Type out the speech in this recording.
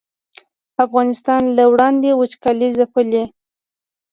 افغانستان له وړاندې وچکالۍ ځپلی